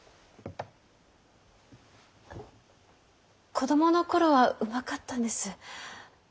子供の頃はうまかったんです。